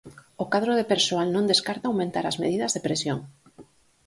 O cadro de persoal non descarta aumentar as medidas de presión.